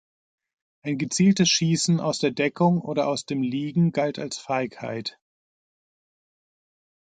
Ein gezieltes Schießen aus der Deckung oder aus dem Liegen galt als Feigheit.